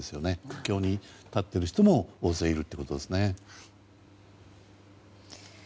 苦境に立っている人も大勢いるということですね。